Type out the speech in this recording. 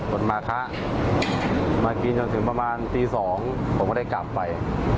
คนมาคะมากินจนถึงประมาณตี๒ผมก็ได้กลับไป